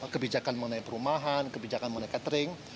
kebijakan mengenai perumahan kebijakan mengenai catering